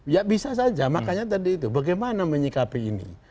ya bisa saja makanya tadi itu bagaimana menyikapi ini